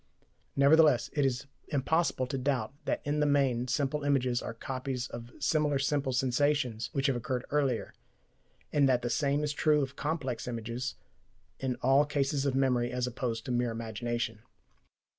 Nevertheless, it is impossible to doubt that in the main simple images are copies of similar simple sensations which have occurred earlier, and that the same is true of complex images in all cases of memory as opposed to mere imagination.